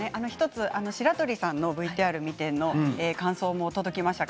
白鳥さんのＶＴＲを見ての感想も届きました。